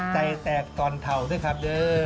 ใจแตกตอนเถ่านะครับ